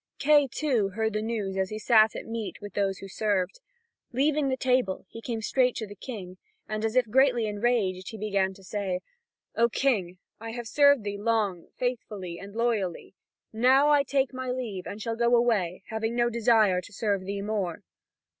Kay, too, heard the news as he sat at meat with those who served. Leaving the table, he came straight to the King, and as if greatly enraged, he began to say: "O King, I have served thee long, faithfully, and loyally; now I take my leave, and shall go away, having no desire to serve thee more."